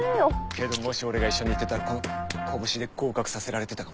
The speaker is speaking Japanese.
けどもし俺が一緒に行ってたらこの拳で合格させられてたかも。